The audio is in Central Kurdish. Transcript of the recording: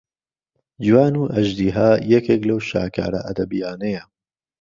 جوان و ئەژدیها یەکێک لەو شاکارە ئەدەبیانەیە